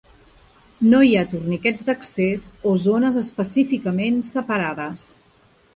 No hi ha torniquets d'accés o zones específicament separades.